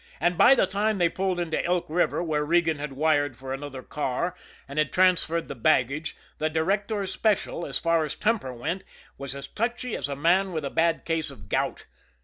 And by the time they pulled into Elk River, where Regan had wired for another car, and had transferred the baggage, the Directors' Special, as far as temper went, was as touchy as a man with a bad case of gout.